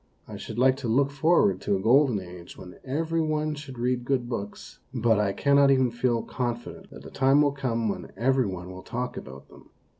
I should like to look for ward to a jgolden age when every one should read good books, but I cannot even feel con fident that a time will come when every one will talk about them.